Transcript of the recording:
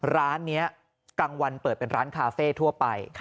ร้านนี้กลางวันเปิดเป็นร้านคาเฟ่ทั่วไป